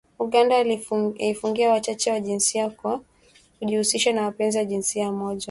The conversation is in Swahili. Uganda yaifungia Wachache wa Jinsia kwa kujihusisha na mapenzi ya jinsia moja